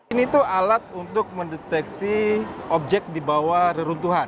ini tuh alat untuk mendeteksi objek di bawah reruntuhan